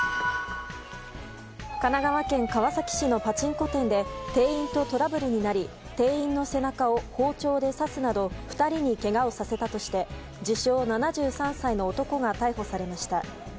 神奈川県川崎市のパチンコ店で店員とトラブルになり店員の背中を包丁で刺すなど２人にけがをさせたとして自称７３歳の男が逮捕されました。